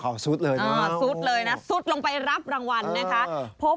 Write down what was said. เขาซุดเลยเนอะซุดเลยนะซุดลงไปรับรางวัลนะคะ